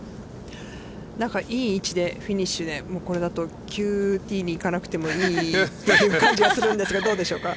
いい位置でフィニッシュで、これだとＱＴに行かなくてもいいという感じもするんですが、どうでしょうか。